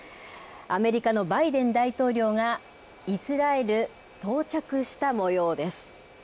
アメリカのバイデン大統領が、イスラエル到着したもようです。